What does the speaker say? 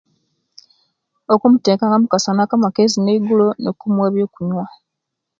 Okumuteka nga omukasana akamakezi nei gulo nokumuwa ebyokunyuwa